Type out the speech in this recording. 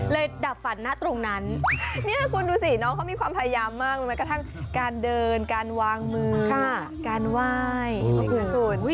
ดับฝันนะตรงนั้นเนี่ยคุณดูสิน้องเขามีความพยายามมากหรือแม้กระทั่งการเดินการวางมือการไหว้ขอบคุณคุณ